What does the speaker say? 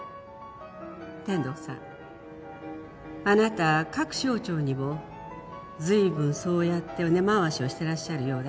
天堂さんあなた各省庁にも随分そうやって根回しをしてらっしゃるようだけど。